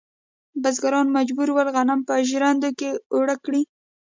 بزګران مجبور ول غنم په ژرندو کې اوړه کړي.